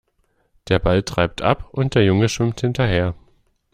Der Ball treibt ab und der Junge schwimmt hinterher.